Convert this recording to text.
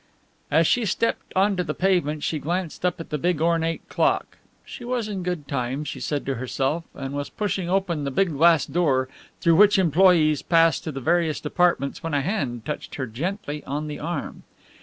As she stepped on to the pavement she glanced up at the big ornate clock. She was in good time, she said to herself, and was pushing open the big glass door through which employees pass to the various departments when a hand touched her gently on the arm.